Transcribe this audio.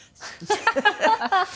ハハハハ！